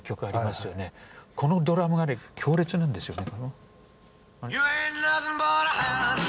このドラムがね強烈なんですよね。